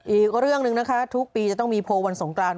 อีกเรื่องหนึ่งนะคะทุกปีจะต้องมีโพลวันสงกราน